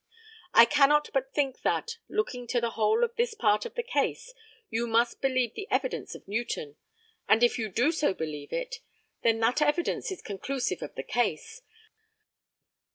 I cannot but think that, looking to the whole of this part of the case, you must believe the evidence of Newton, and if you do so believe it, then that evidence is conclusive of the case.